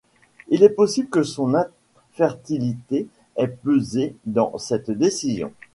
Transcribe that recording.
Il est possible que son infertilité ait pesé dans cette décision.